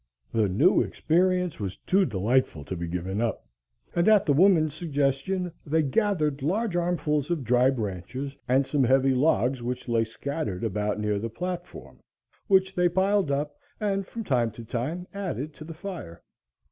The new experience was too delightful to be given up, and, at the woman's suggestion, they gathered large armfuls of dry branches and some heavy logs which lay scattered about near the platform, which they piled up and from time to time added to the fire.